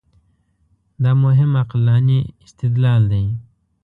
دا مهم عقلاني استدلال دی.